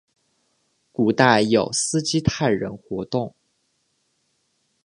古代有斯基泰人活动。